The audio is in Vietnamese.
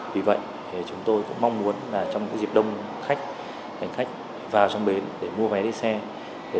vì vậy chúng tôi cũng mong muốn trong dịp đông khách hành khách vào trong bến để mua vé đi xe